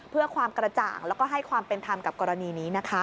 เพื่อความกระจ่างแล้วก็ให้ความเป็นธรรมกับกรณีนี้นะคะ